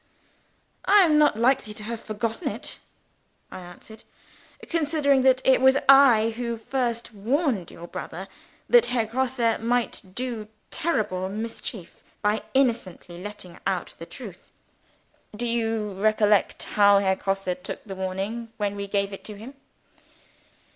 "I am not likely to have forgotten it," I answered, "considering that it was I who first warned your brother that Herr Grosse might do terrible mischief by innocently letting out the truth." "Do you recollect how Grosse took the warning when we gave it to him?"